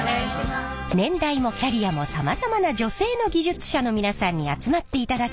年代もキャリアもさまざまな女性の技術者の皆さんに集まっていただき座談会を開催！